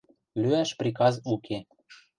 Лӱӓш приказ уке.